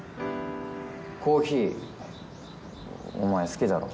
コーヒーお前好きだろ？